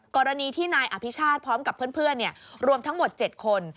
กรณีที่นายอภิชาติพร้อมกับเพื่อนรวมทั้งหมด๗คน